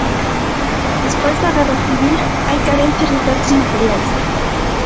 Despois da guerra civil, hai carencias de certos materiais.